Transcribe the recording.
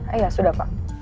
iya sudah pak